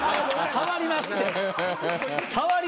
触りますって。